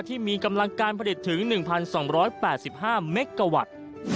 ที่มีกำลังการผลิตถึง๑๒๘๕เมกาวัตต์